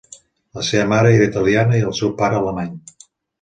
La seva mare era italiana i el seu pare, alemany.